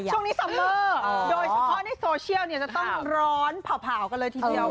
ช่วงนี้สัมเมอร์โดยเฉพาะในโซเชียลเนี่ยจะต้องร้อนผาวกันเลยที่เที่ยว